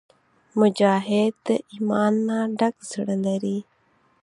مجاهد د ایمان نه ډک زړه لري.